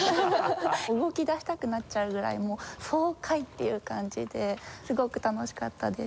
動きだしたくなっちゃうぐらいもう爽快っていう感じですごく楽しかったです。